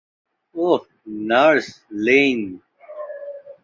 Oh, nurse lane!